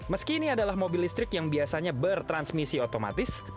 meski ini adalah mobil listrik yang biasanya bertransmisi otomatis